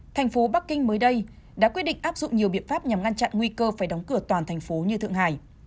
thành phố bắc kinh mới đây đã quyết định áp dụng nhiều biện pháp nhằm ngăn chặn nguy cơ phải đóng cửa toàn thành phố như thượng hải